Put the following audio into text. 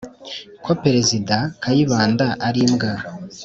ko perezida kayibanda ari imbwa